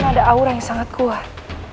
ini ada aura yang sangat kuat